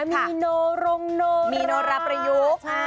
มีโนรงโนมีโนราประยุกต์